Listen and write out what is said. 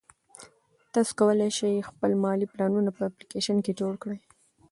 تاسو کولای شئ خپل مالي پلانونه په اپلیکیشن کې جوړ کړئ.